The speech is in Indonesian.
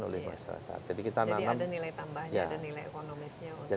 jadi ada nilai tambahnya nilai ekonomisnya